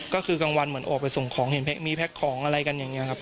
ก็คือกลางวันเหมือนออกไปส่งของเห็นมีแพ็คของอะไรกันอย่างนี้ครับ